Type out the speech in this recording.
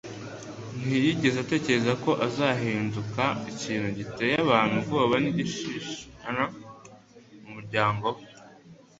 Ntiyigeze atekereza ko azahinduka ikintu giteye abantu ubwoba n'igishishana ku muryango we;